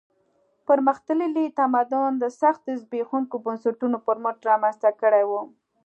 پرمختللی تمدن د سختو زبېښونکو بنسټونو پر مټ رامنځته کړی و.